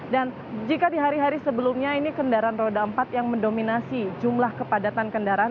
dan jika di hari hari sebelumnya ini kendaraan roda empat yang mendominasi jumlah kepadatan kendaraan